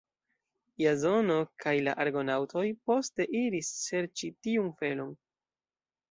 Jazono kaj la Argonaŭtoj poste iris serĉi tiun felon.